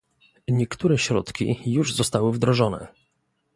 Niektóre środki już zostały wdrożone